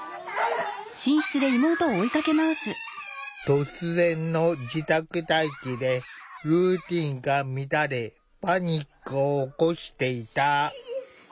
突然の自宅待機でルーティンが乱れパニックを起こしていた。